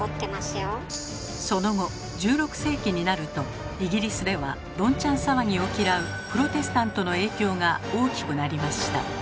その後１６世紀になるとイギリスではどんちゃん騒ぎを嫌うプロテスタントの影響が大きくなりました。